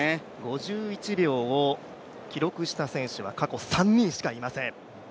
５１秒を記録した選手は過去３人しかいません。